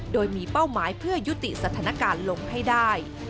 โดยมีเป้าหมายเพื่อยุติสถานการณ์ลงให้ได้